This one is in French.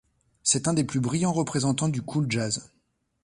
C'est un des plus brillants représentants du cool jazz.